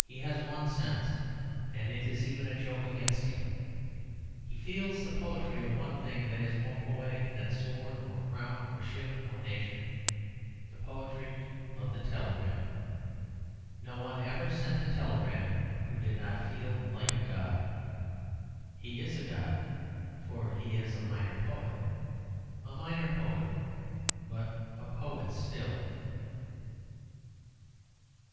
He has one sense, and it is even a joke against him. He feels the poetry of one thing that is more poetic than sword or crown or ship or nation, the poetry of the telegram. No one ever sent a telegram who did not feel like a god. He is a god, for he is a minor poet; a minor poet, but a poet still.